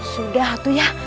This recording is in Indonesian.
sudah tuh ya